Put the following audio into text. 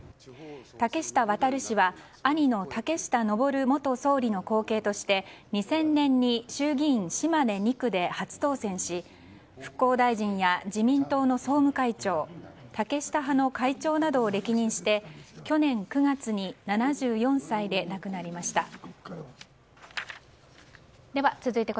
竹下亘氏は兄の竹下登元総理の後継として２０００年に衆議院島根２区で初当選し復興大臣や自民党の総務会長竹下派の会長などを歴任して去年９月に７４歳で亡くなりました。